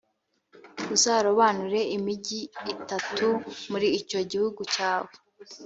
uzarobanure imigi itatu muri icyo gihugu cyawe,